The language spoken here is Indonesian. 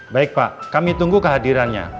baik pak kami tunggu kehadirannya